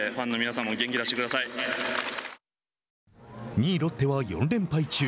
２位ロッテは４連敗中。